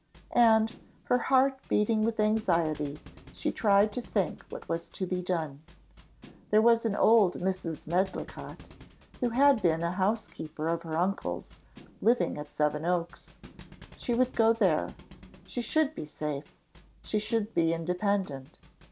'" And, her heart beating with anxiety, she tried to think what was to be done. There was an old Mrs. Medlicott, who had been a housekeeper of her uncle's, living at Seven Oaks she would go there she should be safe she should be independent.